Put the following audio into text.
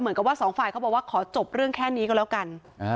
เหมือนกับว่าสองฝ่ายเขาบอกว่าขอจบเรื่องแค่นี้ก็แล้วกัน